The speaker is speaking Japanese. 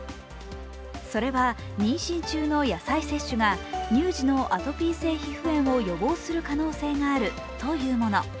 それは妊娠中の野菜摂取が乳児のアトピー性皮膚炎を予防する可能性があるというもの。